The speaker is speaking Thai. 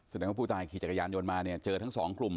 ซึ่งพูดถ่ายขรีจกระยานยนต์มาเจอทั้งสองกลุ่ม